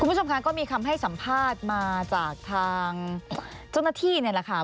คุณผู้ชมค้าก็มีคำให้สัมภาษณ์มาจากทางจนที่ล่ะค่ะ